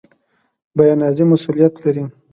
بیان ازادي مسوولیت لري